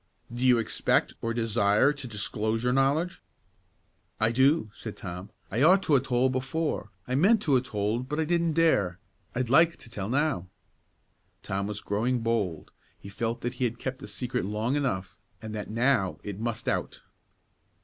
"Do you expect, or desire, to disclose your knowledge?" "I do," said Tom; "I ought to a' told before; I meant to a' told, but I didn't dare. I'd like to tell now." Tom was growing bold; he felt that he had kept the secret long enough and that, now, it must out.